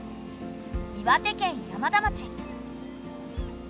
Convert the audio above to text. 岩手県山田町。